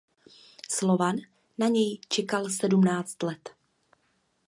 Slovan na něj čekal sedmnáct let.